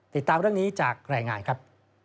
ติดตามเรื่องนี้จากรายงานครับ